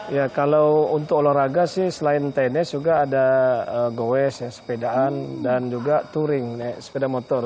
ya kalau untuk olahraga sih selain tenis juga ada goes sepedaan dan juga touring sepeda motor